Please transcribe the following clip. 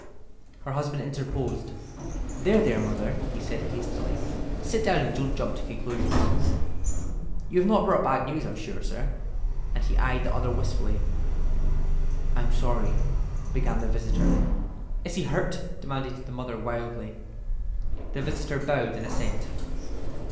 Her husband interposed. "There, there, mother," he said, hastily. "Sit down, and don't jump to conclusions. You've not brought bad news, I'm sure, sir;" and he eyed the other wistfully. "I'm sorry—" began the visitor. "Is he hurt?" demanded the mother, wildly. The visitor bowed in assent.